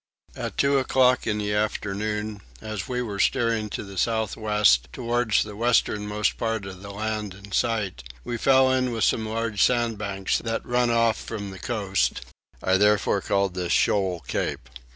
At two o'clock in the afternoon as we were steering to the south west towards the westernmost part of the land in sight we fell in with some large sandbanks that run off from the coast: I therefore called this Shoal Cape.